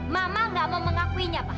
mama nggak mau mengakuinya pak